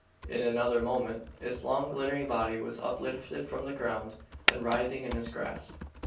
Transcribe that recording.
In another moment its long glittering body was uplifted from the ground, and writhing in his grasp.